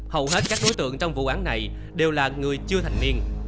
hầu hết các đối tượng trong vụ án này đều là người chưa thành niên